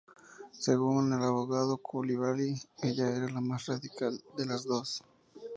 Según el abogado de Coulibaly, ella era la más radical de las dos.